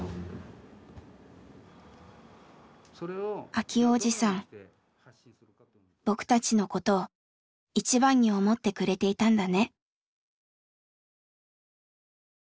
明男おじさん僕たちのことを一番に思ってくれていたんだね。